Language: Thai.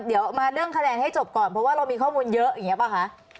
เดี๋ยวมาเรื่องคะแนนให้จบก่อนเพราะว่าเรามีข้อมูลเยอะอย่างนี้ป่ะคะ